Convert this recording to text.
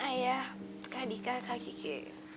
ayah kak dika kak kike